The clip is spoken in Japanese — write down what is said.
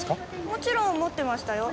もちろん持ってましたよ。